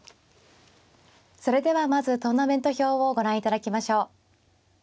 それではまずトーナメント表をご覧いただきましょう。